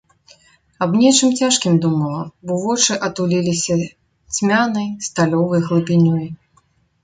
Аб нечым цяжкім думала, бо вочы атуліліся цьмянай, сталёвай глыбінёй.